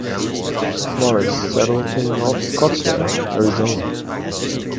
Morris settled in North Scottsdale, Arizona.